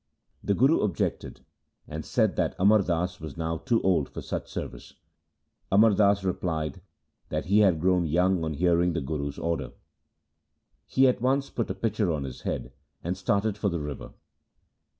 The Guru objected and said that Amar Das was now too old for such service. Amar Das replied that he had grown young on hearing the Guru's order. He at once put a pitcher on his head and started for the river.